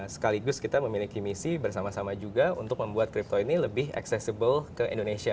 sekaligus kita memiliki misi bersama sama juga untuk membuat crypto ini lebih accessible ke indonesia